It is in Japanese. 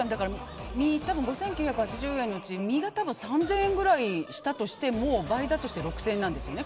多分、５９８０円のうち身が多分３０００円ぐらいしたとしても倍だとして６０００円なんですよね。